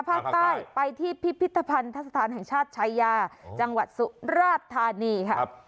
ภาคใต้ไปที่พิพิธภัณฑสถานแห่งชาติชายาจังหวัดสุราธานีค่ะ